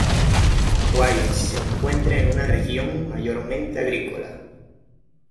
Guayos se encuentra en una región mayormente agrícola.